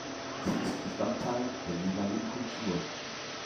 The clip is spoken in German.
Sie ist Bestandteil der jeweiligen Kultur.